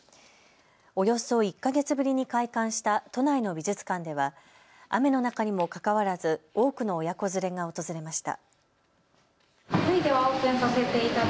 およそ１か月ぶりに開館した都内の美術館では雨の中にもかかわらず多くの親子連れが訪れました。